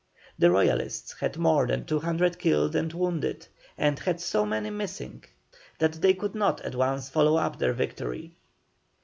The Royalists had more than 200 killed and wounded, and had so many missing that they could not at once follow up their victory.